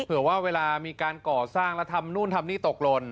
เผื่อว่าเวลามีการก่อสร้างแล้วทำนู่นทำนี่ตกหล่น